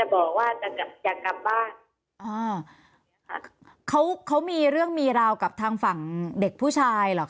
บอกว่าจะอยากกลับบ้านอ่าเขาเขามีเรื่องมีราวกับทางฝั่งเด็กผู้ชายเหรอค